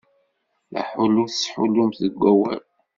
D aḥullu i tettḥullumt deg wawal.